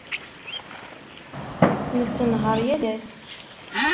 Nettenhaṛ yal ass.